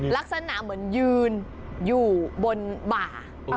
ลักษณะเหมือนยืนอยู่บนบ่า